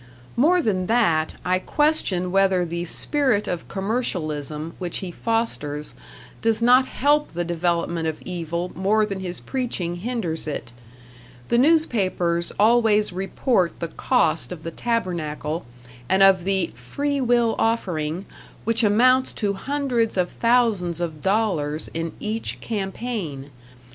More than that, I question whether the spirit of commercialism which he fosters does not help the development of evil more than his preaching hinders it. The newspapers always report the cost of the tabernacle, and of the "free will offering", which amounts to hundreds of thousands of dollars in each "campaign".